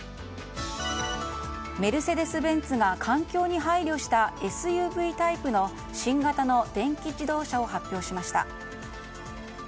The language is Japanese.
メルセデス・ベンツが環境に配慮したＳＵＶタイプの新型の電気自動車を発表しました。